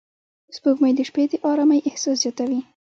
سپوږمۍ د شپې د آرامۍ احساس زیاتوي